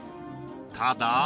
ただ。